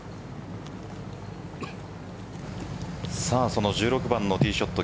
その１６番のティーショット